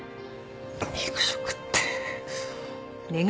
肉食って。